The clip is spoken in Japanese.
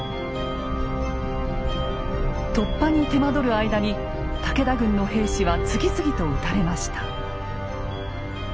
突破に手間取る間に武田軍の兵士は次々と討たれました。